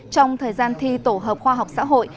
trong thời gian thi tổ hợp khoa học xã hội